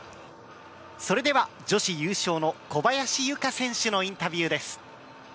それでは女子優勝の小林諭果選手のインタビューです。